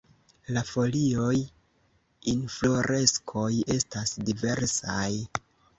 La folioj, infloreskoj estas diversaj.